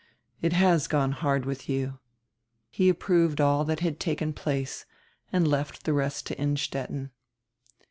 It has gone hard with you." He approved all that had taken place and left the rest to Innstetten.